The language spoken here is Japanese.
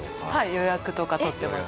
予約とか取ってます。